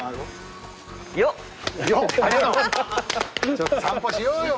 ちょっと散歩しようよ